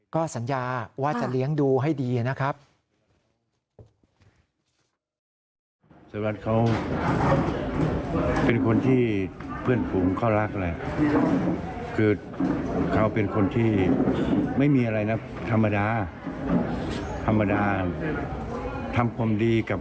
ก็สัญญาว่าจะเลี้ยงดูให้ดีนะครับ